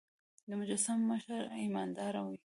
د مسجد مشر ايمانداره وي.